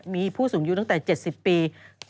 มีผู้สูงอายุตั้งแต่๗๐ปี